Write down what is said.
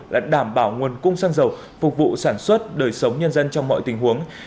là đảm bảo nguồn cung xăng dầu phục vụ sản xuất đời sống nhân dân trong mọi tình huống